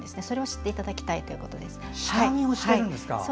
それを知っていただきたいということです。